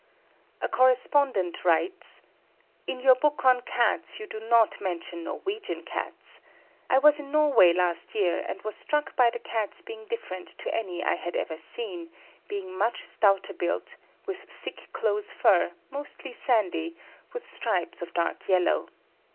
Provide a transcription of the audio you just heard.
A correspondent writes: "In your book on Cats you do not mention Norwegian Cats. I was in Norway last year, and was struck by the Cats being different to any I had ever seen, being much stouter built, with thick close fur, mostly sandy, with stripes of dark yellow."